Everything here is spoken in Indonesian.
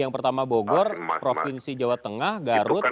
yang pertama bogor provinsi jawa tengah garut jawa timur